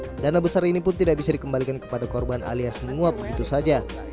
dana besar ini pun tidak bisa dikembalikan kepada korban alias menguap begitu saja